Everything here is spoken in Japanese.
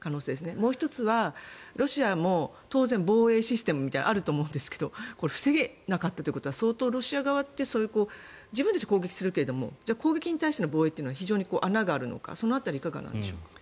もう１つはロシアも当然防衛システムみたいなのがあると思うんですが防げなかったということは相当、ロシア側って自分たちは攻撃するけど攻撃に対しての防衛は穴があるのかその辺りはいかがなんでしょうか。